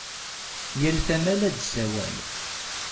Yal tama la d-tessawal.